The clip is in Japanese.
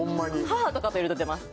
母とかといると出ます。